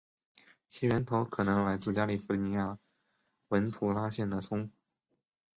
其源头可能来自加利福尼亚州文图拉县的葱。